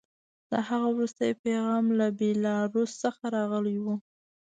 د هغه وروستی پیغام له بیلاروس څخه راغلی و